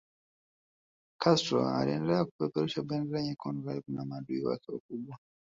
Castro aliendelea kupeperusha bendera nyekundu karibu na maadui wake wakubwa